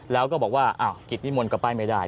แล้วก็บอกว่ากิจนิมนต์ก็ไปไม่ได้